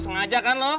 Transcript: sengaja kan lo